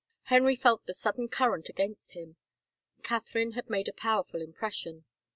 Henry felt the sud den current against him. Catherine had made a powerful impression.